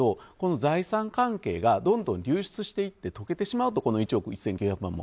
財産関係がどんどん流出していって溶けてしまうとこの１億１９００万も。